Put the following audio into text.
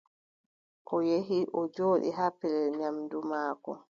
O yehi, o jooɗi haa pellel nyaamndu maako.